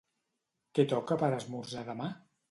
Què toca per esmorzar demà?